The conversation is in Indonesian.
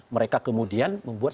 mereka kemudian membuat